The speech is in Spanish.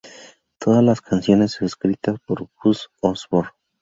Todas las canciones escritas por Buzz Osborne.